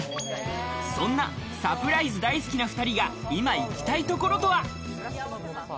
そんなサプライズ大好きの２人が今行きたい所とは。